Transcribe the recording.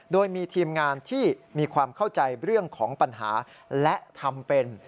โดยมีทีมงานที่มีความเข้าใจเรื่องของปัญหาและทำเป็น